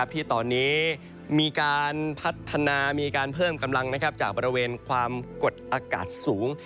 ที่ตอนนี้มีการพัฒนามีการเพิ่มกำลังจากบริเวณความกดอากาศสูง